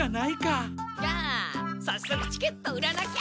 じゃあさっそくチケット売らなきゃ！